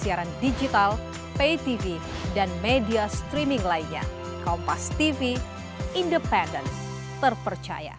ya terima kasih pak astagh paling oke